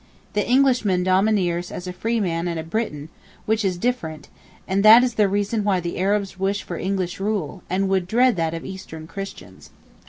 The Englishman domineers as a free man and a Briton, which is different, and that is the reason why the Arabs wish for English rule, and would dread that of Eastern Christians.